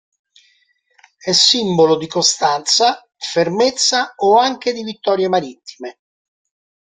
È simbolo di costanza, fermezza o anche di vittorie marittime.